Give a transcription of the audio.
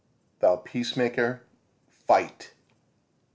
Thou peacemaker, fight!